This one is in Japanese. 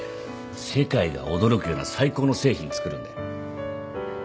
世界が驚くような最高の製品作るんだよ